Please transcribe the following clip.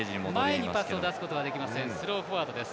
前にパスを出すことはできませんスローフォワードです。